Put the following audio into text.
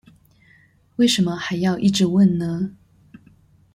為什麼還要一直問呢？